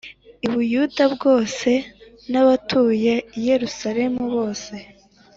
U Buyuda bwose n abatuye i Yerusalemu bose